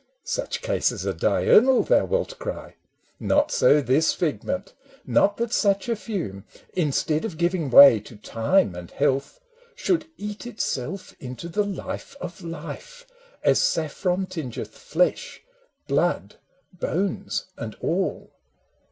" Such cases are diurnal," thou wilt cry. Not so this figment !— not, that such a fume, Instead of giving way to time and health, Should eat itself into the life of life, As saffron tingeth flesh, blood, bones and all